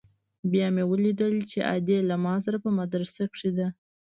بيا مې وليدل چې ادې له ما سره په مدرسه کښې ده.